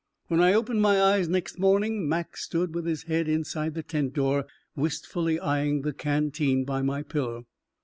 When I opened my eyes next morning, Mac stood with his head inside the tent door, wistfully eyeing the canteen by my pillow.